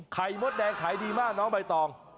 มดแดงขายดีมากน้องใบตอง